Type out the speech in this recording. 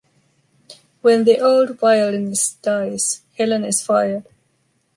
When the old violinist dies, Helen is fired.